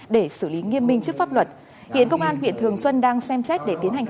để xử lý nghiêm minh trước pháp luật hiện công an huyện thường xuân đang xem xét để tiến hành